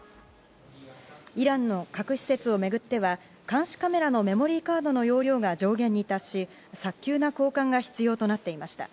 イランの核施設を巡っては監視カメラのメモリーカードの容量が上限に達し、早急な交換が必要となっていました。